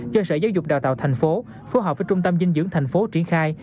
do sở giáo dục đào tạo tp hcm phù hợp với trung tâm dinh dưỡng tp hcm triển khai